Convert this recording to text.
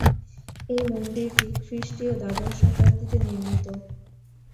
এই মন্দিরটি খ্রিস্টীয় দ্বাদশ শতাব্দীতে নির্মিত।